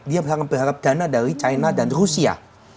biar berharap dana dari china dan rusia